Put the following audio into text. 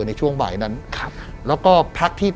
ในช่วงบ่ายนั้นครับแล้วก็พักที่